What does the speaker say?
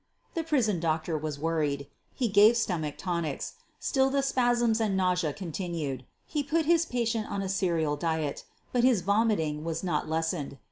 The prison doctor was worried. He gave stomach tonics. Still the spasms and nausea continued. He put his patient on a cereal diet — but his vomiting was not lessened.